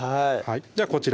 じゃあこちら